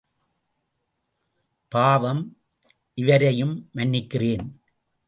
பாவம், இவரையும் மன்னிக்கிறேன்.